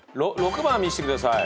６番見せてください。